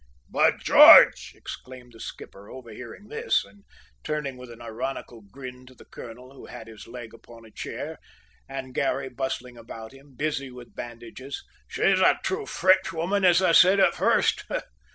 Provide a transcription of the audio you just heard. "By George!" exclaimed the skipper, overhearing this and turning with an ironical grin to the colonel, who had his leg upon a chair, and Garry bustling about him, busy with bandages, "she's a true Frenchwoman, as I said at the first.